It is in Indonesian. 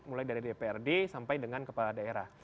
mulai dari dprd sampai dengan kepala daerah